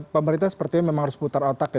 pemerintah sepertinya memang harus putar otak ya